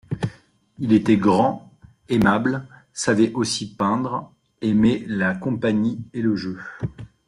Il était grand, aimable, savait aussi peindre, aimait la compagnie et le jeu.